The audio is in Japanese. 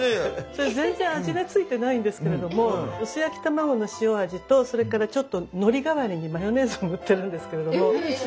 それ全然味がついてないんですけれども薄焼き卵の塩味とそれからちょっとのり代わりにマヨネーズを塗ってるんですけれどもそうそれだけです。